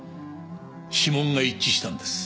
指紋が一致したんです。